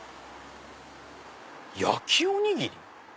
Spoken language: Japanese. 「焼きおにぎり」？